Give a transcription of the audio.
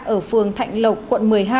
ở phường thạnh lộc quận một mươi hai